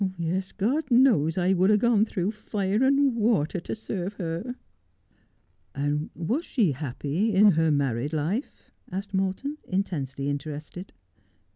Yes, God knows I would have gone through lire and water to serve her !'' Was she happy in her married life 1 ' asked Morton, in tensely interested.